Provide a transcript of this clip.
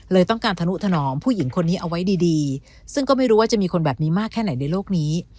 ต้องการทนุถนอมผู้หญิงคนนี้เอาไว้ดีซึ่งก็ไม่รู้ว่าจะมีคนแบบนี้มากแค่ไหนในโลกนี้